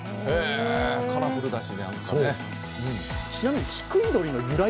カラフルだし。